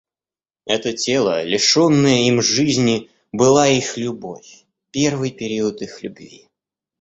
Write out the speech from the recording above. Это тело, лишенное им жизни, была их любовь, первый период их любви.